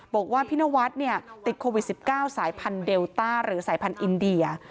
บอกว่าพี่นวัดติดโควิด๑๙สายพันธุเดลต้าหรือสายพันธุ์อินเดีย